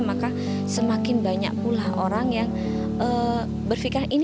maka semakin banyak pula orang yang berpikir